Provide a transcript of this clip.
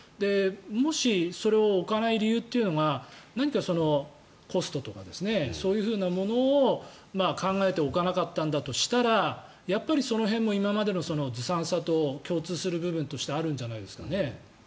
もし、それを置かない理由というのが何か、コストとかそういうものを考えて置かなかったんだとしたらやっぱりその辺も今までのずさんさと共通する部分としてあるんじゃないですかね。